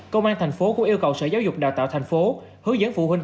công an tp hcm cũng yêu cầu sở giáo dục đào tạo tp hcm hướng dẫn phụ huynh